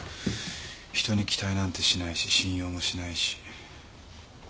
人に期待なんてしないし信用もしないし。